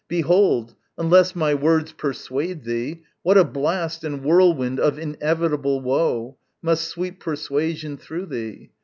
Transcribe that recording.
Behold, Unless my words persuade thee, what a blast And whirlwind of inevitable woe Must sweep persuasion through thee!